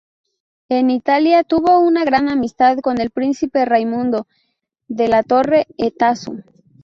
En Italia, tuvo una gran amistad con el príncipe Raimundo della Torre e Tasso.